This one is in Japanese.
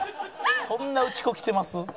そんな打ち粉来てます？